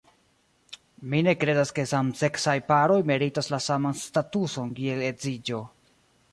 Mi ne kredas ke samseksaj-paroj meritas la saman statuson kiel edziĝo.